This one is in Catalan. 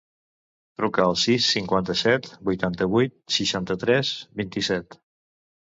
Truca al sis, cinquanta-set, vuitanta-vuit, seixanta-tres, vint-i-set.